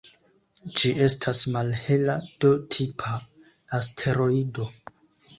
Ĝi estas malhela D-tipa asteroido.